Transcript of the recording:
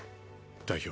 代表。